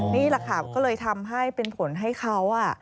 นี่แหละค่ะก็เลยทำให้เป็นผลให้เขา